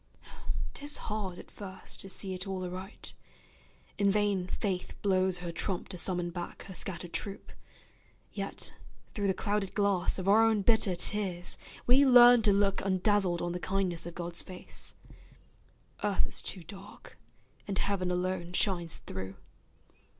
'Tis hard at first to see it all aright; In vain Faith blows her trump to summon back Her scattered troop; yet, through the clouded glass Of our own bitter tears, we learn to look Undazzled on the kindness of God's face; Earth is too dark, and Heaven alone shines through.